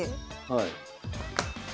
はい。